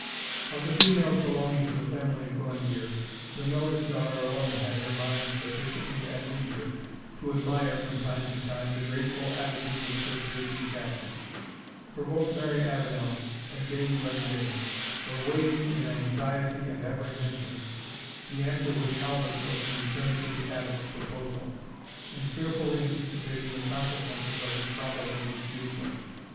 Of the females belonging to the family of Glendearg, the Miller's daughter alone had her mind sufficiently at leisure to admire, from time to time, the graceful attitudes of Sir Piercie Shafton; for both Mary Avenel and Dame Glendinning were waiting in anxiety and apprehension the answer which Halbert was to return to the Abbot's proposal, and fearfully anticipating the consequences of his probable refusal.